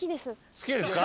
好きですか？